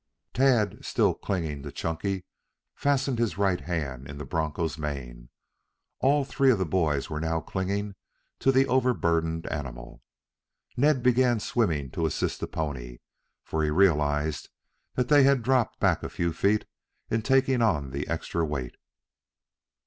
Tad still clinging to Chunky fastened his right hand in the broncho's mane. All three of the boys were now clinging to the overburdened animal. Ned began swimming to assist the pony, for he realized that they had dropped back a few feet in taking on the extra weight.